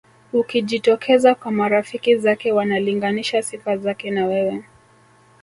Ukijitokeza kwa marafiki zake wanalinganisha sifa zake na wewe